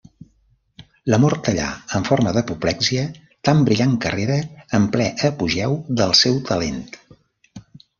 La mort tallà en forma d'apoplexia, tan brillant carrera en ple apogeu del seu talent.